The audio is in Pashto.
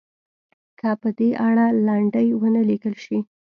که په دې اړه لنډۍ ونه لیکل شي.